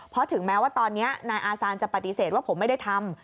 เพราะถึงแม้ว่าตอนนี้นายอาซานจะปฏิเสธว่าผมไม่ได้ทำ